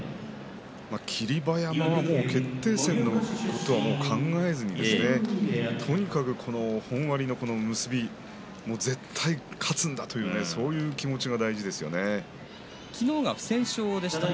霧馬山は決定戦のことは考えずにとにかく本割の、この結び絶対に勝つんだという昨日が不戦勝でしたね。